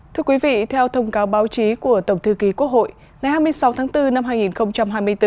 thưa quý vị theo thông cáo báo chí của tổng thư ký quốc hội ngày hai mươi sáu tháng bốn năm hai nghìn hai mươi bốn